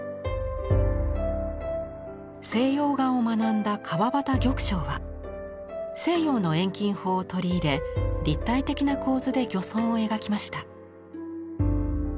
西洋画を学んだ川端玉章は西洋の遠近法を取り入れ立体的な構図で漁村を描きました。